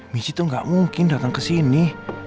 mieci tuh gak mungkin datang kesini